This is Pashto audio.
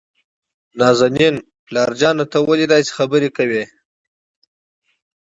نازنين: پلار جانه ته ولې داسې خبرې کوي؟